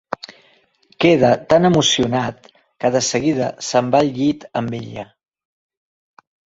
Queda tan emocionat que de seguida se'n va al llit amb ella.